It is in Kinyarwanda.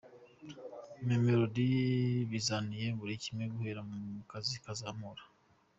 Mamelodi bizaniye buri kimwe guhera ku mazi kuzamura.